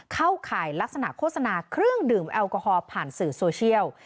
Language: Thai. เข้าข่ายลักษณะโฆษณาเครื่องดื่มแอลกอฮอล์ผ่านสื่อโซเชียล